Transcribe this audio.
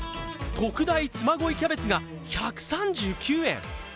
特大嬬恋キャベツが１３９円！